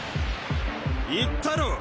言ったろ。